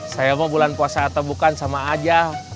saya mau bulan puasa atau bukan sama aja